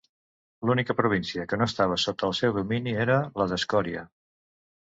L'única província que no estava sota el seu domini era la d'Escòria.